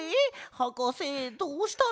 はかせどうしたの？